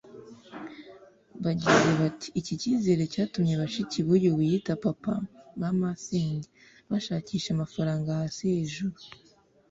Bagize bati “Iki cyizere cyatumye bashiki b’uyu wiyita Papa (ba masenge) bashakisha amafaranga hasi hejuru